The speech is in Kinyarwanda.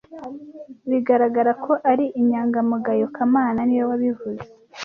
Bigaragara ko ari inyangamugayo kamana niwe wabivuze